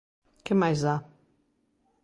¿Que máis dá?